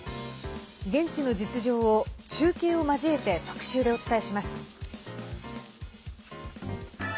現地の実情を中継を交えて特集でお伝えします。